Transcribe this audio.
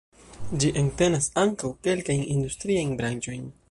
Ĝi entenas ankaŭ kelkajn industriajn branĉojn.